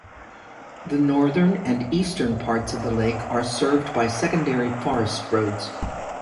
The northern and eastern parts of the lake are served by secondary forest roads.